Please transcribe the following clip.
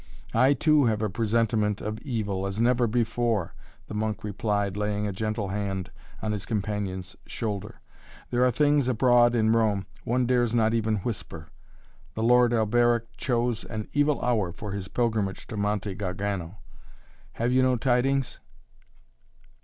"I, too, have a presentiment of Evil, as never before," the monk replied, laying a gentle hand on his companion's shoulder. "There are things abroad in Rome one dares not even whisper. The Lord Alberic chose an evil hour for his pilgrimage to Monte Gargano. Have you no tidings?"